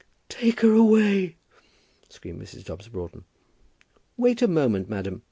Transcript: "Take her away," screamed Mrs. Dobbs Broughton. "Wait a moment, madam.